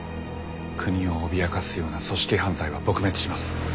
国を脅かすような組織犯罪は撲滅します。